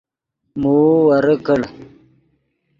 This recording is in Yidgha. موؤ ورے کڑ